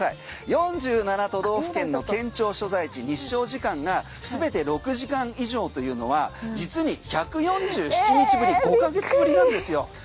４７都道府県の県庁所在地日照時間が全て６時間以上というのは実に１４７日ぶり５か月ぶりなんですよ。